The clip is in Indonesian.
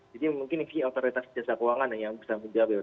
jadi mungkin ini autoritas jasa keuangan yang bisa menjelaskan